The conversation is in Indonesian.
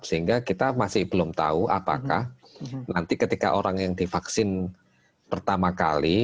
sehingga kita masih belum tahu apakah nanti ketika orang yang divaksin pertama kali